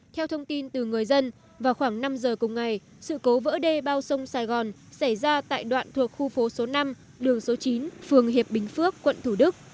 theo thông tin từ người dân vào khoảng năm giờ cùng ngày sự cố vỡ đê bao sông sài gòn xảy ra tại đoạn thuộc khu phố số năm đường số chín phường hiệp bình phước quận thủ đức